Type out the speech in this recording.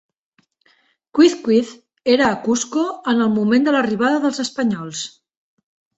Quizquiz era a Cusco en el moment de l'arribada dels espanyols.